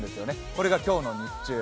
これが今日の日中。